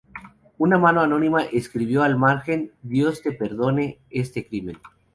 Una mano anónima escribió al margen, "Dios te perdone este crimen".